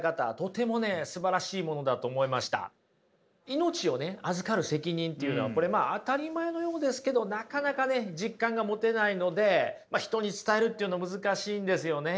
命を預かる責任というのはこれ当たり前のようですけどなかなか実感が持てないので人に伝えるっていうの難しいんですよね。